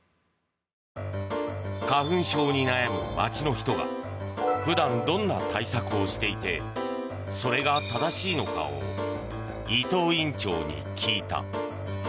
花粉症に悩む街の人が普段、どんな対策をしていてそれが正しいのかを伊東院長に聞いた。